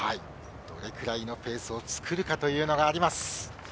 どれくらいのペースを作るかというのがあります。